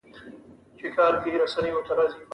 عرفاني لوړو فکرونو برخه کمه وه.